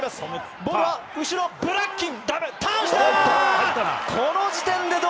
ボールは後ろ、ブラッキン。